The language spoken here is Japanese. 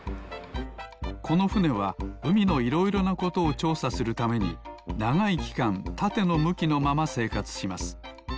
このふねはうみのいろいろなことをちょうさするためにながいきかんたてのむきのまませいかつします。